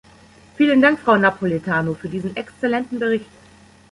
Vielen Dank, Frau Napoletano, für diesen exzellenten Bericht.